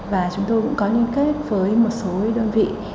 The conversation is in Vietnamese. và chúng tôi cũng có liên kết với một số đơn vị